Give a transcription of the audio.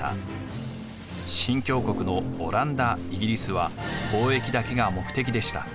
新教国のオランダ・イギリスは貿易だけが目的でした。